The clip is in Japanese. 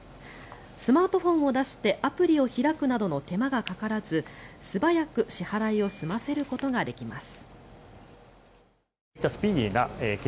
スマートフォンを出してアプリを開くなどの手間がかからず素早く支払いを済ませることができます。